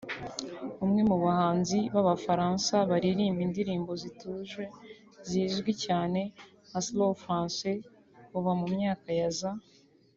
umwe mu bahanzi b’abafaransa baririmba indirimbo zituje zizwi cyane nka slow français kuva mu myaka ya za